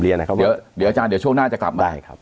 เดี๋ยวช่วงหน้าจะกลับมา